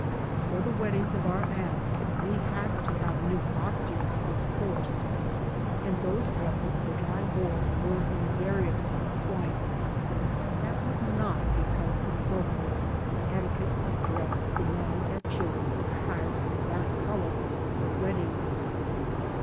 For the weddings of our aunts we had to have new costumes, of course. And those dresses which I wore were invariably white. That was not because in Soho the etiquette of dress demanded that children be attired in that colour for weddings.